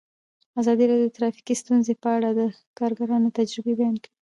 ازادي راډیو د ټرافیکي ستونزې په اړه د کارګرانو تجربې بیان کړي.